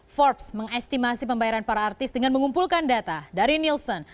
forbes mengestimasi pembayaran para artis dengan mengumpulkan data dari nielsen